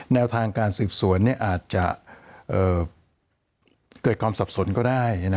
แนวทางการสืบสวนอาจจะเกิดความสับสนก็ได้